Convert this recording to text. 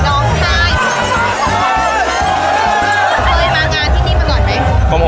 เคยมางานที่ที่มันหรอดมั้ย